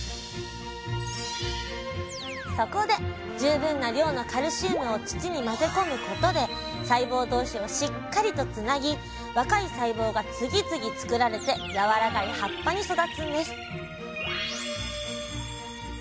そこで十分な量のカルシウムを土に混ぜ込むことで細胞同士をしっかりとつなぎ若い細胞が次々作られてやわらかい葉っぱに育つんです